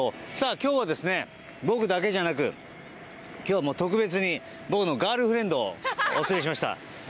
今日は僕だけじゃなく今日は特別に僕のガールフレンドをお連れしました。